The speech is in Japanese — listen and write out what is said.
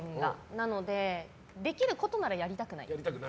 なのでできることならやりたくない。